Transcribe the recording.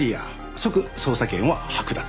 即捜査権は剥奪。